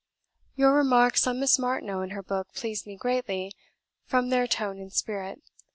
"Your remarks on Miss Martineau and her book pleased me greatly, from their tone and spirit.